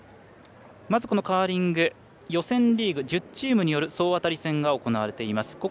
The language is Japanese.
まず、このカーリング予選リーグ１０チームによる総当たり戦が行われています。